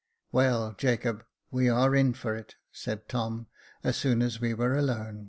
"Well, Jacob, we are in for it," said Tom, as soon as we were alone.